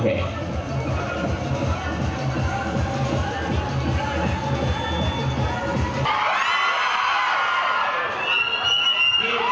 ใครวะ